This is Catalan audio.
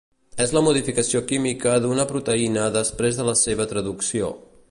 És la modificació química d'una proteïna després de la seva traducció.